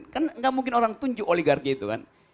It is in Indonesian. kan nggak mungkin orang tunjuk oligarki itu kan